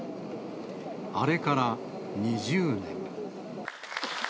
あれから２０年。